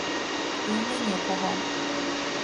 І ў мяне пуга.